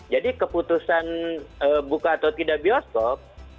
jadi keputusan buka atau tidak bioskop